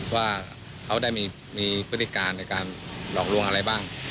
ว่าเขาได้มีพฤติการในการหลอกลวงอะไรบ้าง